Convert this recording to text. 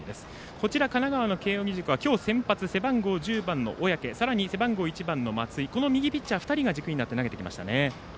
こちら、神奈川の慶応義塾は今日、先発、背番号１０番の小宅背番号１番の松井が軸になって投げてきましたね。